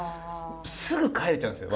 すぐ帰れちゃうんですよ